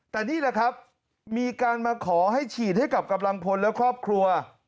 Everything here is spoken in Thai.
แต่นี่แหละครับมีการมาขอให้ฉีดให้กับกำลังพลและครอบครัว